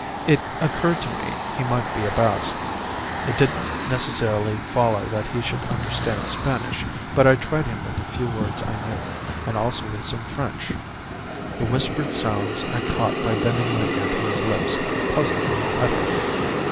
It occurred to me he might be a Basque. It didn't necessarily follow that he should understand Spanish; but I tried him with the few words I know, and also with some French. The whispered sounds I caught by bending my ear to his lips puzzled me utterly.